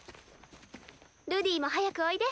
ルディも早くおいで。